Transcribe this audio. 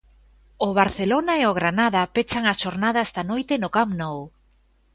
O Barcelona e o Granada pechan a xornada esta noite no Camp Nou.